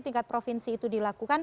tingkat provinsi itu dilakukan